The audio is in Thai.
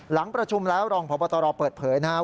หลังประชุมแล้วรองพบตรเปิดเผยนะครับ